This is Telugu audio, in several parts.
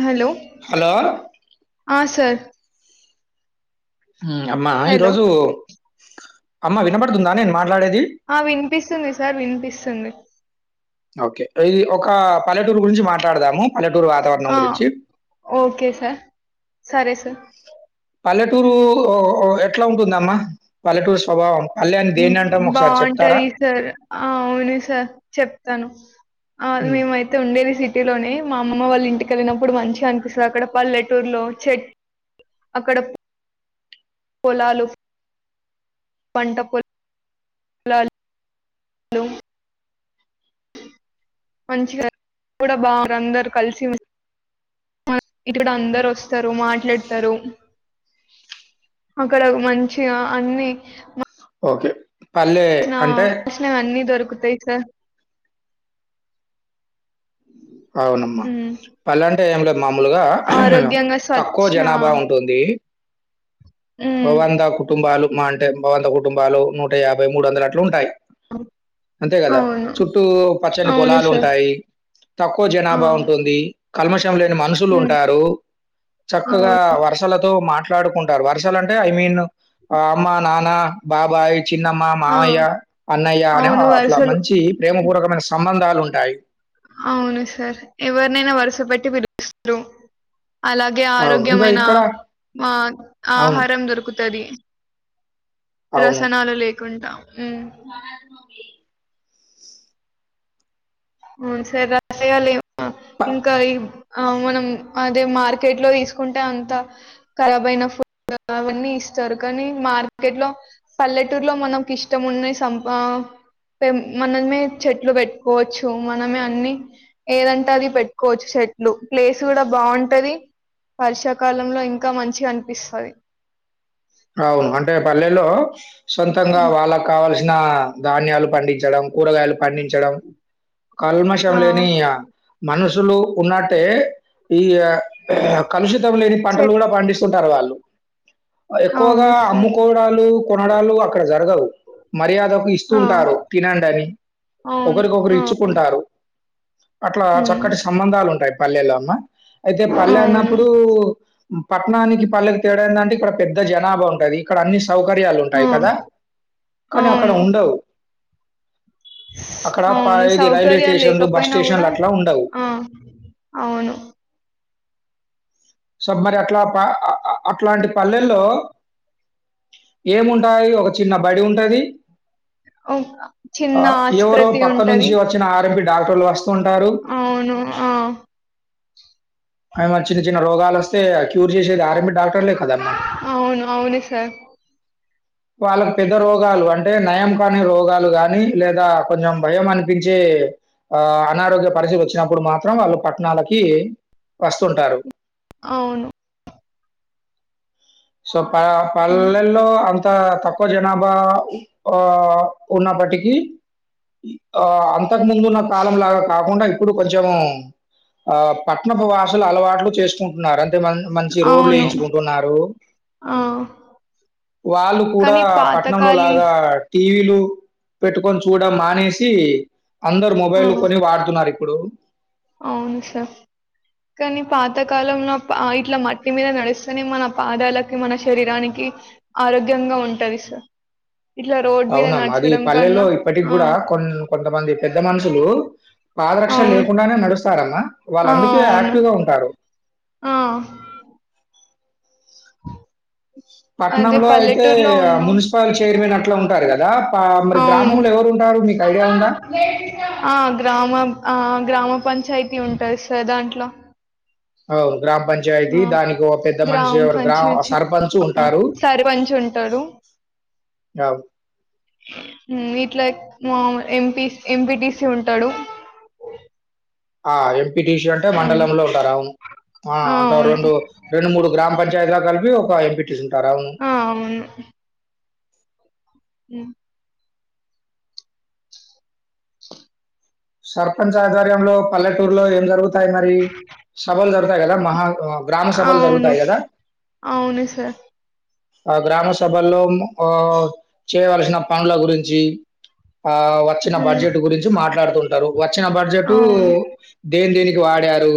హలో హలో ఆ సార్ అమ్మా హలో ఈరోజు అమ్మా వినపడుతుందిందానే మా ఆ వినిపిస్తుంది సార్ వినిపిస్తుంది ఓకే. ఇది ఒక పల్లెటూరు గురించి మాట్లాడదాము పల్లెటూరు వాతావరణం ఆ గురించి ఓకే సార్ సరే సార్ పల్లెటూరు ఉమ్, ఎట్లా ఉంటుంద అమ్మా పల్లెటూరు స్వభావం పల్లె అని దేన్నంటాం ఒకసారి చెప్తారా? బాగుంటది సార్ అవును సార్ చెప్తాను ఆ హ్మ్. మేమయితే ఉండేది సిటీలోనే మా అమ్మమ్మ వాళ్ళ ఇంటికి కెళ్ళినప్పుడు మంచిగా అనిపిస్తుంది అక్కడ పల్లెటూరులో చెట్టు అక్కడ పోలాలు పంట పో లాల్ లు మంచిగా కూడా బాగ అందరు కలిసి ఇక్కడ అందరు వస్తారు మాట్లాడతారు అక్కడ మంచిగా అన్ని ఓకే పల్లె కృణ అంటే కృష్ణ అన్నీ దొరకుతాయి సార్ అవునమ్మా ఉమ్ పళ్ళంటే ఏం లే మామూలుగా ఆరోగ్యంగా తక్కువ స్వచ్ఛ జనాభా ఉంటుంది ఒ ఉమ్ వంద కుటుంబాలు మావి [unintelligible] కుటుంబాలు నూట యాభై మూడు వందల అట్లు ఉంటాయి అంతే కదా అవును చుట్టూ పచ్చని అవును పొలాలు సార్ ఉంటాయి తక్కువ ఆ జనాభా ఉంటుంది కల్మ [unintelligible] లేని మనుషులు ఉమ్ ఉంటారు చక్కగా అవును వర్షాలతో మాట అట్లాడుకుంటారు వరసలు ఐ మీన్ అమ్మ నాన్న బాబాయ్ చిన్నమ్మ, ఆ మామయ్య, అన్నయ్య అనే అవును అట్లా వరుసలు మంచి ప్రేమ పూర్వకమైన సంబంధం లు ఉంటయి అవును సార్ ఎవరినైనా వరుస పెట్టి పిలుపిస్తారు అలాగే అవును. ఇక ఆరోగ్యమైన ఇక్కడ ఆ అవును. ఆహారం దొరుకుతుంది తది రసనాలు లేక కుంటా అ సర రాల ప ఇంకా ఈ ఆ మనం అదే మార్కెట్ లో తీసుకుంటే అంత ఖరాబైన ఫుడ్ అవన్నీ ఇస్తారు కానీ మార్కెట్ లో పల్లెటూరులో మనంకిష్టం ఉన్నై సంప పెం మనమే చెట్లు పెట్టుకోవ చ్చు మనమే అన్ని ఏదంటే అది పెట్టుకోవచ్చు చెట్లు ప్లేస్ కూడా బాగుంటది వర్షాకాలంలో ఇంకా మంచి అనిపిస్తది అవును అంటే పల్లెలో సొంతంగా వాళ్ళ కావాల్సిన న ధాన్యాలు పండించడం కూరగాయలు పండించడం కల్మషం ఆ లేని మనుషులు ఉన్నట్టే ఈ కలుషిత్ లతం లేని పంటలు చెట్ కూడా పండి టరు వాళ్ళు ఎక్కువగా అవును సార్ అమ్ముకోవడాలు కొనడాలు అక్కడ జరగవు మర్యాదకు ఆ, ఇస్తుంటారు తినండి అని అవును ఒకరికొకరు ఆ, ఇచ్చుకుంటారు అట్లా ఉమ్, చక్కటి సంబంధాలు ఉంటాయి పళ్లెలో అమ్మ అయితే పల్లె అవును అన్నప్పుడు పట్టణానికి పల్లెకి తేడా ఎందంటే ఇక్కడ పెద్ద జనాభా ఉంటది ఇక్కడ అన్నిస్ సౌకర్యాలు ఆ, ఉంటాయి కదా కానీ అక్కడ అవును ఉండవు అక్కడ ప అవును ఇది రైల్వే సౌకర్యాలు స్టేషన్లు, బస్ లేకపోయినా కూడా స్టేషన్లు అట్లా ఉండవు. ఆ అవును సబ్ మరి అట్లా ఆ అట్లాంటి పల్లెల్లో ఏముంటాయి ఒక చిన్న బడి ఉంటది చిన్న ఆహ్, ఎవరో ఆస్పృతి పక్క ఉంటది నుంచి వచ్చిన ఆర్ఎంపీ డాక్టర్లు వాస్ అవును ఆ ఆరి చిన్న చిన్న రోగాలు వస్తే క్యూర్ చేసేది ఆర్మ అవును అవును సార్ వాళ్ళకి పెద్ద రోగాలు అంటే నయం కాని రోగాలు గాని, లేదా కొంచెం భయం అనిపించే ఆ అనారోగ్య పరిస్థితులు వచ్చినప్పుడు, మాత్రం వాళ్ళు పట్నలకి వస్తుంటారు. అవును సో ప పల్లె లో అం అంత తక్కువ జనాభా ఆ ఉన్నప్పటికీ, ఆ అంతకు ముందు ఉన్న కాలం లాగా కాకుండా ఇప్పుడు కొంచెం ఆ పట్టణపు వాసులు అలవాట్లు చేసుకుంటున్నారు. అంతే మంచ్ మంచి రోడ్లు అవును వేయించుకుంటున్నారు ఆ వాళ్ళు కూడా కానీ పట్టణంలో పాతకాలి లాగా టీవీలు పెట్టుకొని చూడం మానేసి అందరు ఆ మొబైల్ కొని వాడుతున్నారు ఇప్పుడు అవును సార్, కానీ పాతకాలంలో ఇట్లా మట్టి మీద నడిస్తేనే మన పాదాలకి మన శరీరానికి ఆరోగ్యంగా ఉంటది సార్. ఇట్లా రోడ్ మీద అవునా మాది నడచడం పల్లెలో కన్నా ఇప్పటికి ఆ కూడా కొన్ కొంతమంది పెద్ద మనుషులు పాదరక్షణ అవును లేకుండానే నడుస్తు స్తారన్న ఆ వాళ్ళందుకే అవును యాక్టివ్ గా ఉంటారు. ఆ అదే పట్నంలో అయితే పల్లెటూరులో ఉన్నాం మున్సిపల్ చైర్మన్ అట్లా ఉంటారు కదా ప మరి అవును గ్రామంలో ఎవరు ఉంటారు మీకు ఐడియా ఉందా ఆ గ్రామ ఆ గ్రామ పంచాయతీ ఉంటుంది సార్ దాంట్లో అవ్ గ్రామ పంచాయతీ ఆ దానికి ఒక పెద్ద మనిషి గ్రామ ఒకరు గ్రామ పంచాయతీ సర్పంచ్ ఆ ఉంటారు సర్పంచ్ ఉంటాడు అవు ఉమ్ ఇట్లా మా ఎంపీ ఎంపీటిసి ఉంటాడు ఆ ఎం టిషి అంటే ఉమ్ మండలంలో ఉంటారు అవును ఆ రెండు రెండు మూడు గ్రామ పంచాయతీ జయిగా కలిపి ఒక ఎంపీటీసి [inaudible] ఆ అవును ఉమ్ సర్పంచ్ ఆధ్వర్యంలో పల్లెటూరులో ఏం జరుగుతుంది మరి సభలు జరుగుతాయి కదా మహా గ్రామ సభలు అవును జరుగుతాయి కదా అవును సార్ ఆ గ్రామ సభల్లో ఆ చేయవలసిన పనుల గురించి ఆ వచ్చిన ఉమ్ బడ్జెట్ గురించి మాట్లాడుతుం వచ్చిన బడ్జెట్ అవును దేని దేనికి ఇ వాడారు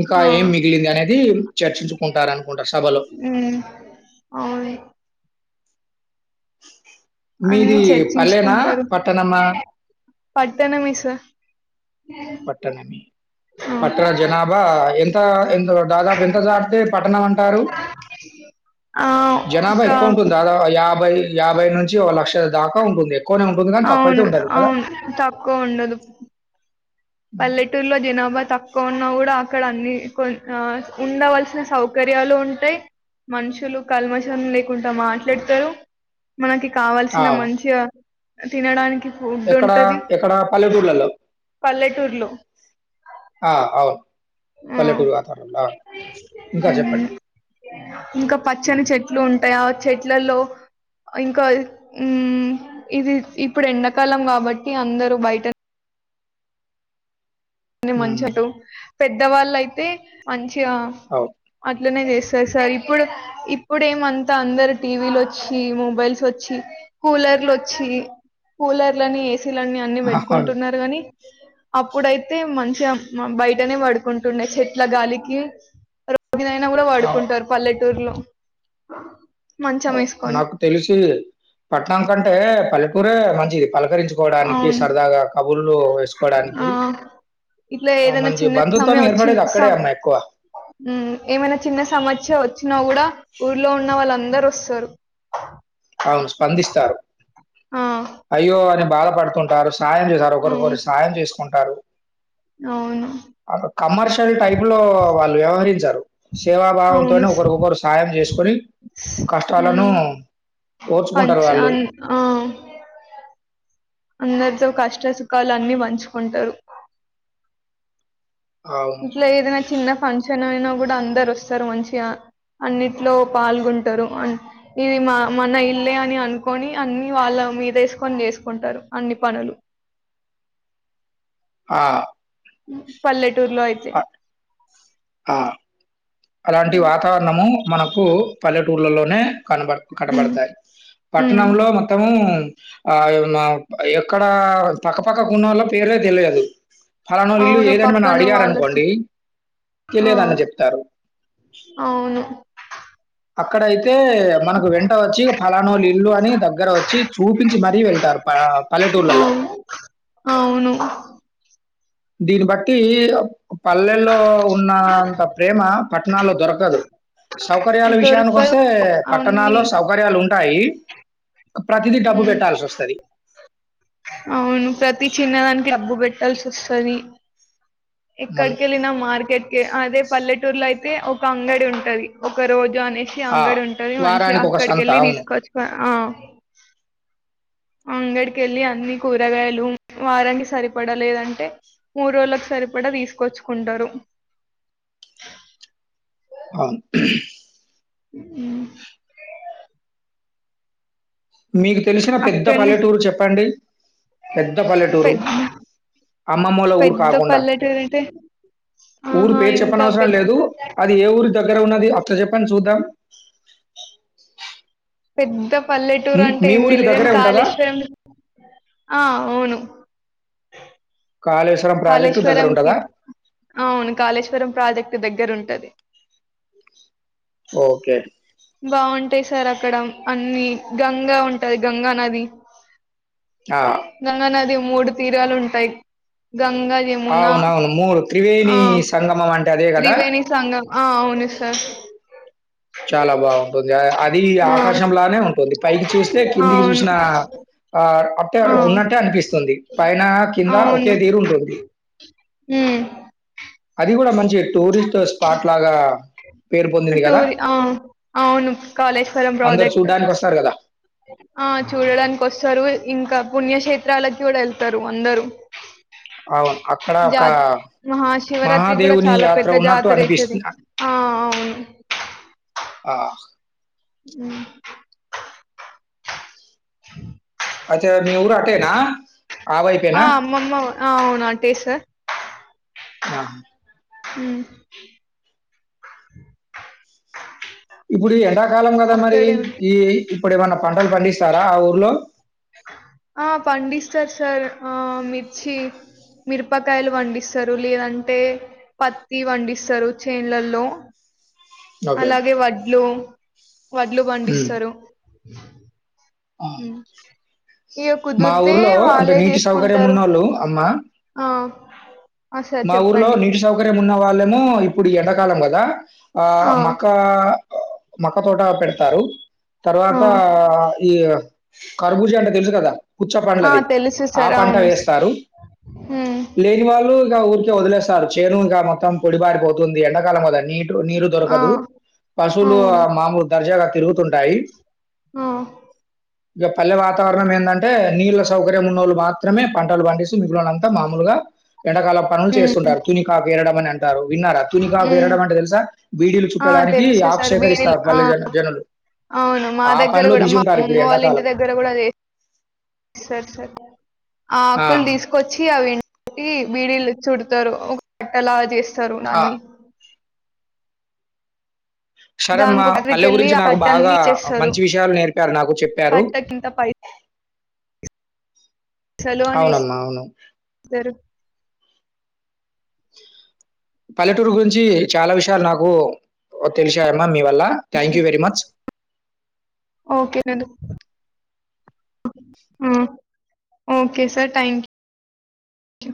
ఇంకా ఆ ఏం మిగిలింది అనేది చర్చించుకుంటారు అనుకుంటా సభలో ఉమ్ అవును మీది అన్ని పల్లెనా పట్టణమా పట్టణ మిస పట్టణమే పట్టణ జనాభా ఎం ఆ ఎందు దాదాపు ఎంత దాటితే పట్టణం అంటారు ఆ ఆ జనాభా ఎక్కువ ఉంటుంది ఒక దాదాపు యాభై యాభై నుంచి లక్ష దాకా ఉంటుంది ఎక్కువనే ఉంటుంది గానీ, తక్కువైతే అవును ఉండదు కదా! అవును తక్కువ ఉండదు పల్లెటూర్లో జనాభా తక్కువ ఉన్నా కూడా అక్కడ అన్ని కొ ఉండవలసిన సౌకర్యాలు ఉంటాయి మనుషులు కల్మషం లేకుండా మాట్లాడతారు మనకి ఆ! కావాల్సిన అవును. మంచి తినడానికి ఫుడ్ ఎక్కడ ఉంటది ఎక్కడ పల్లెటూర్లల్లో ల్లెటూర్లో అవును. ఆ ఉం పల్లెటూరు వాతావరణంలో. అవును. ఇంకా చెప్పండి. ఇంకా పచ్చని చెట్లు ఉంటాయా చెట్లల్లో ఇంకా ఉం ఇది ఇప్పుడు ఎండాకాలం కాబట్టి అందరూ బయట [unintelligible] హ్మ్. మంచుటు పెద్దవాళ్ళయితే మంచి ఆ అవును. అట్లనే చేస్ సరి ఇప్పుడు ఇప్పుడేమంతా అందరు టీవీలు వచ్చి మొబైల్స్ వచ్చి కూలర్లు వచ్చి కూలర్లని ఏసీలు అన్ని అవును. పెట్టుకుంటున్నారు గాని అప్పుడై తే మంచిగా బయటనే పడుకుంటుండ చెట్ల గాలికి తొమ్మిది అయినా కూడా అవును. పడుకుంటారు పల్లెట్ టూర్లో నాకు తెలిసి పట్నానికంటే పల్లెటూరే రాజీవ్ అవును ఆ వేసుకోవడానికి, ఇట్లా ఆహ్, ఏదైనా మంచి చిన్న బంధుత్వం సమయం ఏర్పడేది అక్కడే వచ్చిన అమ్మా ఎక్కువ. [unintelligible] ఏమైనా చిన్న సమస్య వచ్చినా కూడా ఊర్లో ఉన్న వాళ్ళందరూ సరూ ఆవును స్పందిస్తారు ఆ అయ్యో అని బాధపడుతుంటారు సాయం చేశారు ఒకరికొకరు అవును సాయం చేసుకుంటారు అవును కమర్షియల్ టైప్ లో వాళ్ళు వ్యవహరించారు సేవాభావంతోనే అవును ఒకరికొకరు సాయం చేసుకొని కష్టాలను ఓర్చుకుంటారు పంచ వాళ్ళు. అన్ ఆ అందరితో కష్ట సు కలన్నీ పంచుకుంటారు అవును. ఇంట్లో ఏదైనా చిన్న ఫంక్షన్ అయిన గూడా అందరు వస్తారు మంచిగా అన్నిట్లో పాల్గొంటారు ఇది మ మన ఇల్లే అని అనుకొని అన్ని వాళ్ళ మీద వేసుకొని చేసుకుంటారు అన్ని పనులు ఆ పల్లె టూర్ లో అయితే అ ఆ! అలాంటి వాతావరణము మనకు పల్లె టూర్లలోనే కనబ హ్మ్. కనబడతాయ్ హ్మ్. పట్టణంలో మొత్తము అ నా ఎక్కడ పక్కపక్క ఉన్నోళ్లు పేర్లే తెలియదు ఫలానోళ్లు ఇల్లు అవును. ఏదని మనం పక్కన వాళ్ళతో అడిగారనుకోండి ఆ! తెలియదని చెప్తారు అవును అక్కడ అయి తే మనకు వెంట వచ్చి ఫలానోళ్లు ఇల్లు అని దగ్గర వచ్చి చూపించి మరీ వెళ్తారు ప పల్లెటూర్లలో అవును. అవును. దీన్నిబట్టి పల్లెల్లో ఉన్నంత ప్రేమ పట్టణాల్లో దొరకదు సౌకర్యాల విషయానికి దొరకవు వస్తే అన్నీ. పట్టణాల్లో సౌకర్యాలు ఉంటాయి ప్రతిదీ డబ్బు హ్మ్. పెట్టాల్సి వస్తది అవును ప్రతి చిన్నదానికి డబ్బు పెట్టాల్సి వస్తది మనం ఎక్కడిక ఎళ్ళిన మార్కెట్ క అదే పల్లె టూర్లో అయితే ఒక అంగడి ఉంటది ఒక రోజు గణేషి ఆ! అంగడి ఉంటది మంచి వారానికి ఒక సంత. అక్కడికెళ్ళి అవును. తీసుకొచ్చుక ఆ అంగడికి వెళ్ళి అన్ని కూరగాయలు వారానికి సరిపడా లేదంటే మూడు రోజులకు సరిపడా తీసుకొచ్చుకుంటారు ఆ హ్మ్ మీకు తెలిసిన పెద్ద అక్కడనే పల్లెటూరు చెప్పండి పెద్ద పల్లెటూరు పెద్ద అమ్మమ్మూల ఊరు పెద్ద కాకుండా పల్లెటూరు అంటే ఊరు ఆహా పేరు చెప్పన ఇంకా అవసరం లేదు పెద్ద అది ఏ ఊరి దగ్గర్ రున్నది అట్ల చెప్పండి చూద్దాం పెద్ద పల్లెటూరు మీ అంటే మీ ఏం ఊరికి తెలిదు దగ్గరే కాని ఉంటదా? కాళేశ్వరం ఆ అవును కాళేశ్వరం ప్రాజెక్టు దగ్గర కాళేశ్వరం కి ఉంటదా? అవును కాళేశ్వరం ప్రాజెక్ట్ దగ్గర ఉంట టది ఓకే. బాగుంటాయి సార్ అ అక్కడ అనన్నీ గంగా ఉంటది గంగా నది ఆ! గంగా నది మూడు తీరాలు ఉంటాయి గంగా యమునా అవునవును. ఆ త్రివేణి సంగమం అంటే అదే గదా! త్రివేణి సంగం ఆ అవును సార్ చాలా బాగుంటుంది అది ఆ ఆకాశం లానే ఉంటుంది పైకి చూస్తే కిందికి అవును చూసిన ఆ ఆ ఉన్నట్టే అనిపిస్తుంది పైన కింద ఒకే అవును తీరు ఉంటుంది ఉమ్ అది ఇది కూడా మంచి టూరిస్ట్ స్ పాట్ లాగా పేరుపొందింది కదా టూరి ఆ అవును కాళేశ్వరం అందరూ ప్రాజెక్ట్ చూడ్డానికొస్తారు గదా! అ చూడడానికి వస్తారు ఇంకా పుణ్యక్షేత్రాలకి కూడా వెళ్తారు అందరూ అవును అక్కడ జా ఒక మహాశివరాత్రి కూడా మహాదేవుని చాలా యాత్ర పెద్ద ఉన్నట్టు జాతర అయితది అనిపిస్తుంది. ఆ అవును ఆ హ్మ్మ్ [inaudible] అదే మీ ఊరటేనా ఆ వైపే నా అమ్మమ్మ ఆ అవును అటే సార్ నా హ్ ఇప్పుడు ఎడారి కాలం కదా మరి అక్కడే ఉంట ఈ ఇప్పుడు ఏమైన్నా పంటలు పండిస్తారా ఆ ఊర్లో ఆ పండిస్తారు సార్ ఆ మిర్చి మిరపకాయలు పండిస్తారు లేదంటే పత్తి పండిస్తారు చేన్లల్లో ఓకే అలాగే వడ్లు వడ్లు ఉమ్. పండిస్తారు ఆ, ఇ మా కుదిరితే ఊర్లో అంటే వాళ్ళే నీటి సౌకర్యం తీసుకుంటరు ఉన్న వాళ్ళు అమ్మ ఆ ఆ సార్ మా ఊర్లో చెప్పండి నీటి సౌకర్యం ఉన్న వాళ్ళేమో ఇప్పుడు ఎండాకాలం కదా ఆ మాక్కాక మక్క తోట పెడతారు ఆ తర్వాత ఈ కర్బూజ అంటే తెలుసు కదా పుచ్చ ఆ పంలది తెలుసు ఆ సార్ పంట అవును వేస్తారు ఉమ్ లేని వాళ్ళు ఇ ఊరికే వదిలేస్తారు చేను ఇంగ మొత్తం పొడి బారిపోతుంది ఎండాకాలం వద నీ టు నీరు ఆ దొరకదు ఆ పశువులు మామూలు దర్జాగా తిరుగుతుంటయి ఆ ఇక పల్లె వాతావరణం ఏందంటే నీళ్ళ సౌకర్యం ఉన్నళ్ళు మాత్రమే పంటలు పండిస్తూ మిగిలినంతా మామూలుగా ఎండకాలం పనులు హ్మ్ చేస్తుంటారు తునికాపీ ఇద్దాం అని అంటే గారు విన్నారుా తునిగాకు హ్మ్ వేరడం అంటే తెలుసా బీడీలు ఆ చుట్టడానికి తెలుసు ఆకు సార్ బీడీలు సేకరిస్తారు ఆ పల్లిలోని జనులు అవును మా ఆ దగ్గర పనిలో కూడా బిజి మా ఉంటారు ఇప్పుడు అమ్మమ్మ వాళ్ళ ఇంటి ఎండాకాలం. దగ్గర కూడా చేస్తారు సార్ ఆ ఆకులు తీసుకొచ్చి అవి ఎండబెటి. బీడిలు చుడతారు ఒక కాట్టలా చేస్తారూ ఆ, దన్ని సరే అమ్మా దానికి ఒక కట్టకి పల్లె వెళ్ళి గురించి ఆ నాకు కట్టన్ని బాగా ఇచ్చేస్తారు మంచి విషయాలు నేర్పారు నాకు చెప్పారు. కట్టకింత పైసలు అని అవునమ్మా అవును ఇస్తారు పల్లెటూరు గురించి చాలా విషయాలు నాకు తెలిసాయమ్మా మీవా లా థ్యాంక్ యూ వెరి మచ్. ఆ ఓకే సార్ థ్యాంక్ యూ